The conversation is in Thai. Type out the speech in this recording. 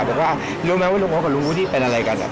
บอกว่ารู้ไหมว่าลูกพ่อกับลูกพ่อที่เป็นอะไรกันอ่ะ